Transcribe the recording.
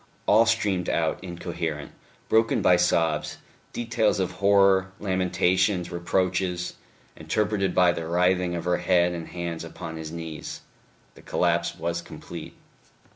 ... All streamed out, incoherent, broken by sobs, details of horror, lamentations, reproaches, interpreted by the writhing of her head and hands upon his knees. The collapse was complete.